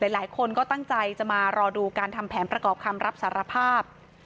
หลายคนก็ตั้งใจจะมารอดูการทำแผนประกอบคำรับสารภาพ